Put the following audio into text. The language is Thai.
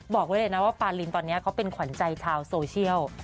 บอกไว้เลยนะว่าปารินตอนนี้เขาเป็นขวัญใจชาวโซเชียล